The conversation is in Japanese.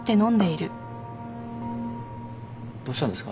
どうしたんですか？